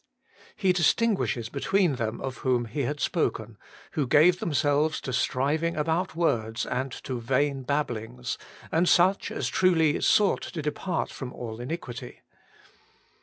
He dis tinguishes between them of whom he had spoken, who gave themselves to strivirig about words and to vain babblings, and such as truly sought to depart from all in iquity.